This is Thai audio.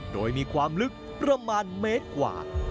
โดยมีความลึกประมาณเมตรกว่า